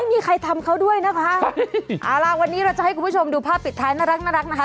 ไม่มีใครทำเขาด้วยนะคะเอาล่ะวันนี้เราจะให้คุณผู้ชมดูภาพปิดท้ายน่ารักน่ารักนะคะ